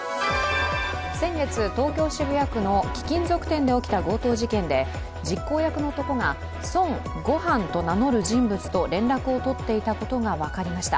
先月、東京・渋谷区の貴金属店で起きた強盗事件で実行役の男が、孫悟飯と名乗る人物と連絡を取っていたことが分かりました。